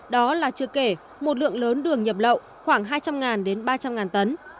đó là chưa kể một lượng lớn đường nhập lậu khoảng hai trăm linh đến ba trăm linh tấn